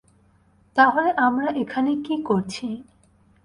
তাহলে আমরা এখানে কী করছি?